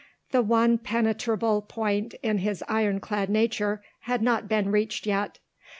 The one penetrable point in his ironclad nature had not been reached yet.